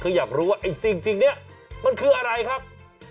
ก็อยากรู้ว่าไอ้สิ่งนี้มันคืออะไรครับ